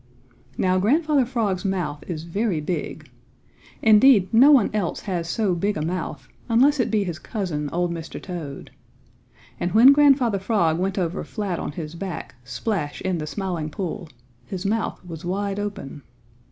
Now, Grandfather Frog's mouth is very big. Indeed, no one else has so big a mouth, unless it be his cousin, old Mr. Toad. And when Grandfather Frog went over flat on his back, splash in the Smiling Pool, his mouth was wide open.